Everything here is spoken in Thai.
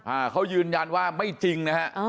อ่าเขายืนยันว่าไม่จริงนะฮะอ๋อ